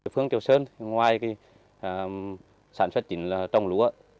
phương châu sơn ngoài sản xuất trình trồng lúa